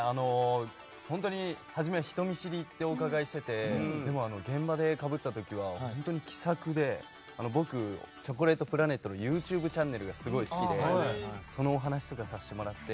人見知りってお伺いしててでも、現場でかぶった時は本当に気さくで僕、チョコレートプラネットのＹｏｕＴｕｂｅチャンネルがすごく好きでそのお話とかさせてもらって。